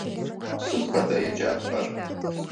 Сыд фэда еджапӏэр?